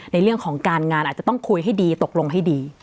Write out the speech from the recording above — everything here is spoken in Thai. ในเรื่องของการงานอาจจะต้องคุยให้ดีตกลงให้ดี